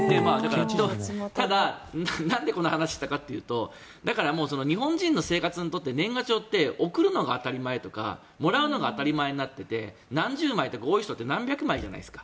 ただ、なんでこの話をしたかというとだから、日本人の生活にとって年賀状って送るのが当たり前とかもらうのが当たり前になってて何十枚とか、多い人だと何百枚じゃないですか。